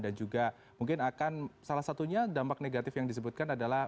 dan juga mungkin akan salah satunya dampak negatif yang disebutkan adalah